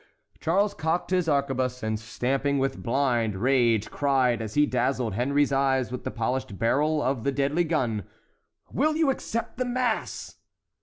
Charles cocked his arquebuse, and stamping with blind rage cried, as he dazzled Henry's eyes with the polished barrel of the deadly gun: "Will you accept the mass?"